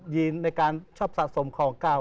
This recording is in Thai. ในการชอบสะสมของเก่า